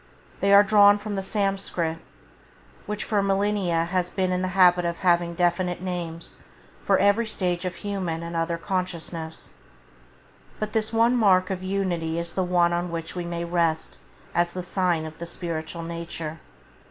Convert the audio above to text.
They are drawn from the Samskrt, which for millennia has been in the habit of having definite names for every stage of human and other consciousness; but this one mark of unity is the one on which we may rest as the sign of the spiritual nature.